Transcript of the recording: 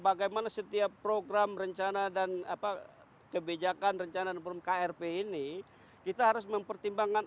bagaimana setiap program rencana dan apa kebijakan rencana dan program krp ini kita harus mempertimbangkan